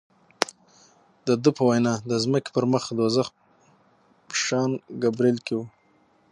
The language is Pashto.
د ده په وینا د ځمکې پر مخ دوزخ په سان ګبرېل کې و.